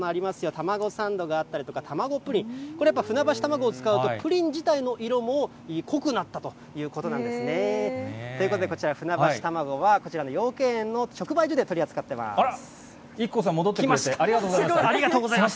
たまごサンドがあったりとか、たまごプリン、これやっぱり、船橋たまごを使うと、プリン自体も色も濃くなったということなんですね。ということで、こちら、船橋たまごは、こちらの養鶏園の直売所で育子さん、戻ってくれてありありがとうございます。